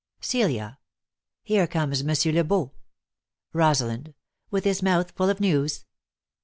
Celia. Here comes Monsieur Le Beau. Rosalind. With his mouth full of news.